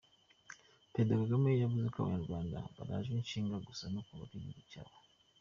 Perezida Kagame yavuze ko Abanyarwanda barajwe ishinga gusa no kubaka igihugu cyabo.